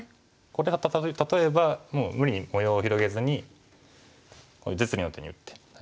これが例えばもう無理に模様を広げずにこういう実利の手に打って。